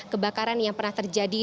kebakaran yang pernah terjadi